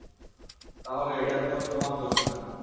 তাহলে এটা তো তোমার দোষ না।